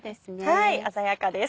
はい鮮やかです。